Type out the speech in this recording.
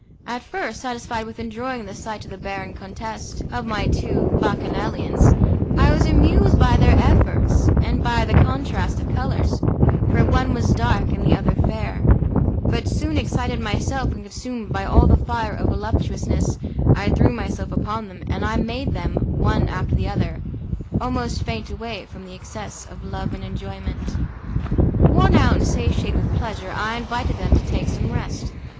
At first, satisfied with enjoying the sight of the barren contest of my two bacchanalians, I was amused by their efforts and by the contrast of colours, for one was dark and the other fair, but soon, excited myself, and consumed by all the fire of voluptuousness, I threw myself upon them, and I made them, one after the other, almost faint away from the excess of love and enjoyment. Worn out and satiated with pleasure, I invited them to take some rest.